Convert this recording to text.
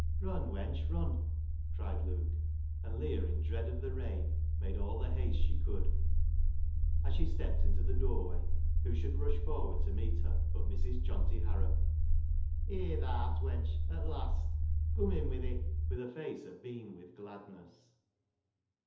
" Run, wench, run !" cried Luke ; and Leah, in dread of the rain, made all the haste she could. As she stepped into the doorway, who should rush forward to meet her but Mrs. Johnty Harrop. " Here thaa art, wench, at last ! Come in wi' thi," she cried, with face abeam with glad ness.